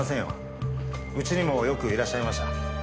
うちにもよくいらっしゃいました。